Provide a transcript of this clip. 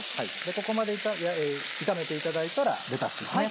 ここまで炒めていただいたらレタスですね。